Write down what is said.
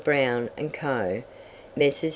Brown and Co., Messrs.